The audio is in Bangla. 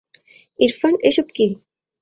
ইরফান, এসব কী?